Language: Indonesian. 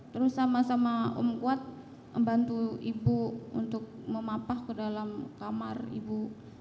terus sama sama om kuat membantu ibu untuk memapah ke dalam kamar ibu